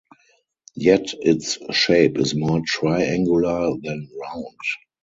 Yet its shape is more triangular than round.